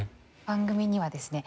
番組にはですね